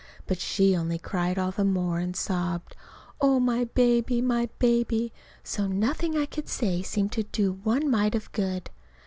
But she only cried all the more, and sobbed, "Oh, my baby, my baby!" so nothing I could say seemed to do one mite of good.